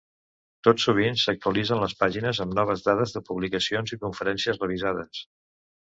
Tot sovint s'actualitzen les pàgines amb noves dades de publicacions i conferències revisades.